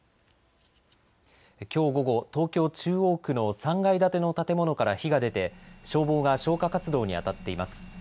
きょう午後、東京中央区の３階建ての建物から火が出て消防が消火活動にあたっています。